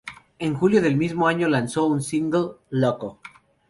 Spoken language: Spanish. En julio del mismo año lanzó su single "Loco".